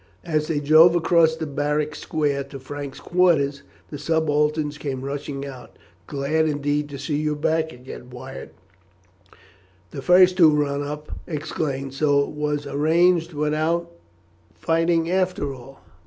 As they drove across the barrack square to Frank's quarters the subalterns came rushing out. "Glad indeed to see you back again, Wyatt," the first who run up exclaimed; "so it was arranged without fighting after all?"